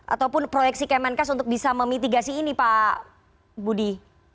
ataupun proyeksi kemenkes untuk bisa memitigasi ini pak budi